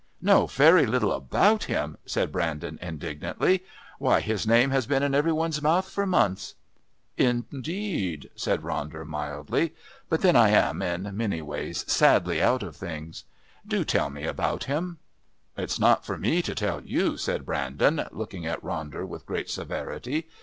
"Know very little about him!" said Brandon indignantly. "Why, his name has been in every one's mouth for months!" "Indeed!" said Ronder mildly. "But then I am, in many ways, sadly out of things. Do tell me about him." "It's not for me to tell you," said Brandon, looking at Ronder with great severity.